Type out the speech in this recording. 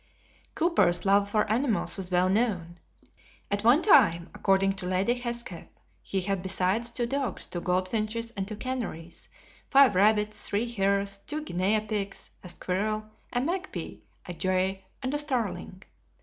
Cowper's love for animals was well known. At one time, according to Lady Hesketh, he had besides two dogs, two goldfinches, and two canaries, five rabbits, three hares, two guinea pigs, a squirrel, a magpie, a jay, and a starling.